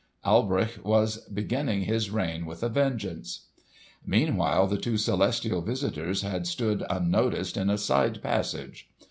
Alberich was beginning his reign with a vengeance! Meanwhile the two celestial visitors had stood unnoticed in a side passage.